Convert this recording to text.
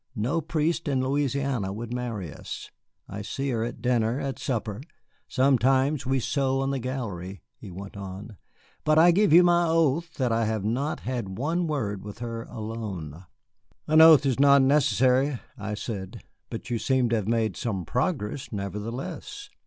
No priest in Louisiana would marry us. I see her at dinner, at supper. Sometimes we sew on the gallery," he went on, "but I give you my oath that I have not had one word with her alone." "An oath is not necessary," I said. "But you seem to have made some progress nevertheless."